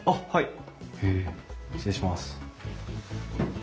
はい。